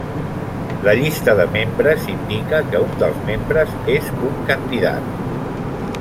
La llista de membres indica que un dels membres és un candidat.